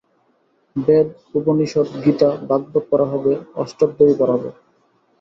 বেদ, উপনিষদ্, গীতা, ভাগবত পড়া হবে, অষ্টাধ্যায়ী পড়াব।